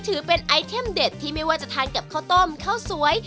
ถือเป็นไอเทมเด็ดที่ไม่ว่าจะทานกับข้าวต้มข้าวสวย